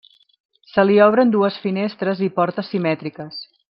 Se li obren dues finestres i porta simètriques.